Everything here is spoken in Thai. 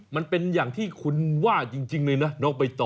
มันเป็นอย่างที่คุณว่าจริงเลยนะน้องไปต่อ